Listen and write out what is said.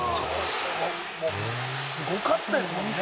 すごかったですもんね。